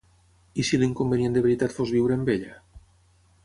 I si l’inconvenient de veritat fos viure amb ella?